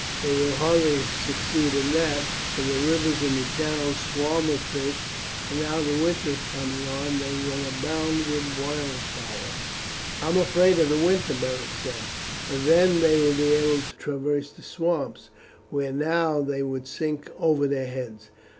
They will hardly succeed in that, for the rivers and channels swarm with fish, and now that winter is coming on they will abound with wildfowl." "I am afraid of the winter," Beric said, "for then they will be able to traverse the swamps, where now they would sink over their heads."